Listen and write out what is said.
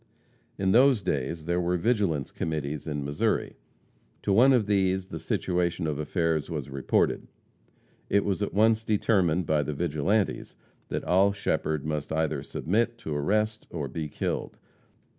In those days there were vigilance committees in Missouri. To one of these the situation of affairs was reported. It was at once determined by the vigilantes that Oll Shepherd must either submit to arrest or be killed.